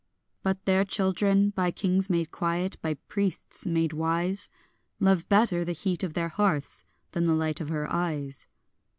But their children, by kings made quiet, by priests made wise, Love better the heat of their hearths than the light of her eyes.